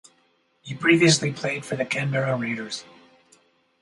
He previously played for the Canberra Raiders.